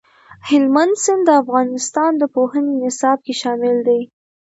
هلمند سیند د افغانستان د پوهنې نصاب کې شامل دي.